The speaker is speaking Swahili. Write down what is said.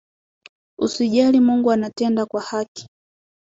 Usijali Mungu anatenda kwa haki